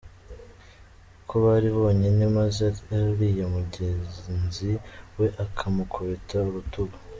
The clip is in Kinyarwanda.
ko bari bonyine maze uriya mugenzi we akamukubita urutugu”.